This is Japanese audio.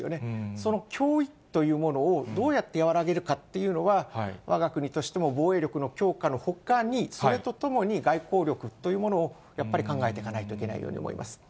その脅威というものをどうやって和らげるかっていうのは、わが国としても防衛力の強化のほかに、それとともに、外交力というものを、やっぱり考えていかないといけないように思います。